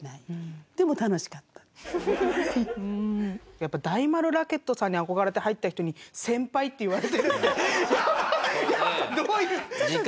やっぱダイマル・ラケットさんに憧れて入った人に「先輩」って言われてるってやばいどういう。